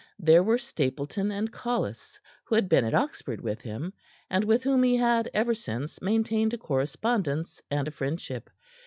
There were Stapleton and Collis, who had been at Oxford with him, and with whom he had ever since maintained a correspondence and a friendship.